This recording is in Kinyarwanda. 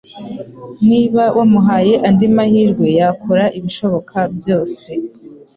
Niba wamuhaye andi mahirwe yakora ibishoboka byose